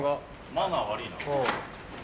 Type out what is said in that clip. マナー悪いな。